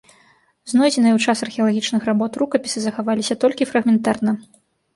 Знойдзеныя ў час археалагічных работ рукапісы захаваліся толькі фрагментарна.